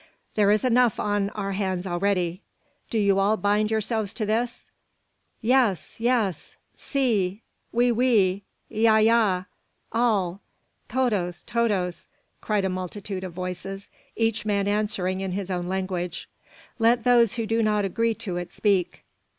There is enough on our hands already. Do you all bind yourselves to this?" "Yes, yes!" "Si!" "Oui, oui!" "Ya, ya!" "All!" "Todos, todos!" cried a multitude of voices, each man answering in his own language. "Let those who do not agree to it speak."